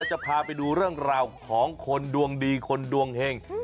จะพาไปดูเรื่องราวของคนดวงดีคนดวงเห็ง